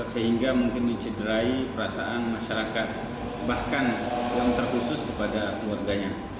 sehingga mungkin mencederai perasaan masyarakat bahkan yang terkhusus kepada keluarganya